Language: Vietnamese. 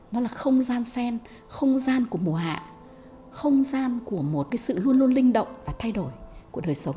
nó là không gian sen không gian của mùa hạ không gian của một cái sự luôn luôn linh động và thay đổi của đời sống